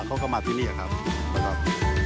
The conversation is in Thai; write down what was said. เขาก็มาที่นี่ครับนะครับ